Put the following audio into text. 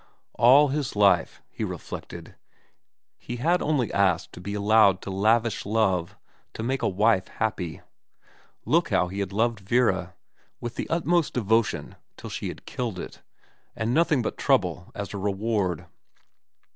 All his life, he reflected, he had only asked to be allowed to lavish love, to make a wife happy. Look how he had loved Vera : with the utmost devotion till she had killed it, and nothing but trouble as a reward.